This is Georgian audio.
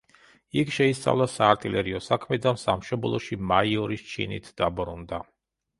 იქ შეისწავლა საარტილერიო საქმე და სამშობლოში მაიორის ჩინით დაბრუნდა.